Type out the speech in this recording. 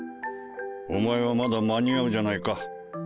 お前はまだ間に合うじゃないか。